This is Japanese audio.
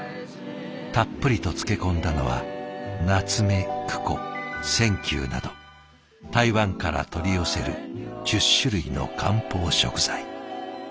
たっぷりと漬け込んだのはナツメクコセンキュウなど台湾から取り寄せる１０種類の漢方食材。